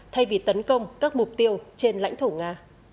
thay vì tấn công các mục tiêu trên lãnh thổ nga